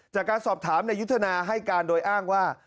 จากการสอบถามนายยุทธนาให้การโดยอ้างว่า